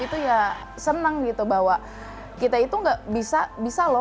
itu ya seneng gitu bahwa kita itu nggak bisa bisa loh